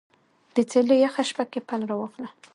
د څیلې یخه شپه کې پل راواخله